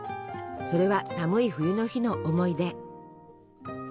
それは寒い冬の日の思い出。